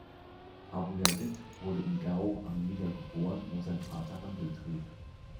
Abū Yazīd wurde in Gao am Niger geboren, wo sein Vater Handel trieb.